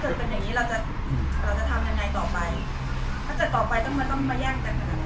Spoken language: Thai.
ถ้าจะต่อไปทำไมต้องมาแย่งจังหลัง